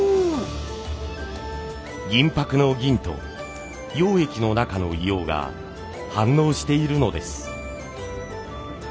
銀箔の銀と溶液の中の硫黄が反応しているのです。